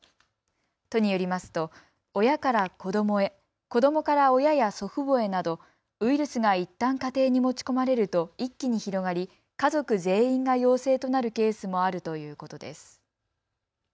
都によりますと親から子どもへ、子どもから親や祖父母へなどウイルスがいったん家庭に持ち込まれると一気に広がり家族全員が陽性となるケースもあるということです。